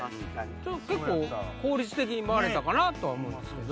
結構効率的に回れたかなとは思うんですけど。